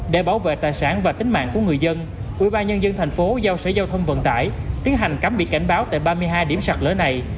để bảo vệ tài sản và tính mạng của người dân ubnd tp hcm tiến hành cấm bị cảnh báo tại ba mươi hai điểm sạc lỡ này